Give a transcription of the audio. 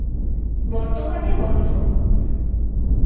বর্তমানে বন্ধ।